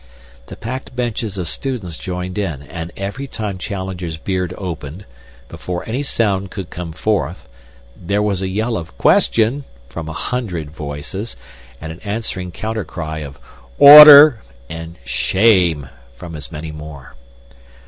The packed benches of students joined in, and every time Challenger's beard opened, before any sound could come forth, there was a yell of "Question!" from a hundred voices, and an answering counter cry of "Order!" and "Shame!" from as many more.